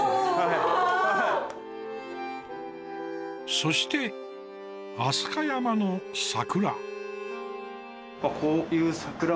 そして飛鳥山の桜。